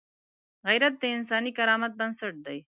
غیرت د انساني کرامت بنسټ دی